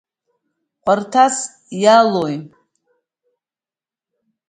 Хәарҭас иалоуи!